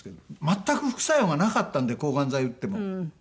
全く副作用がなかったんで抗がん剤打っても。